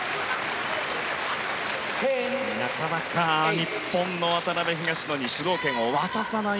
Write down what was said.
なかなか日本の渡辺、東野に主導権を渡さない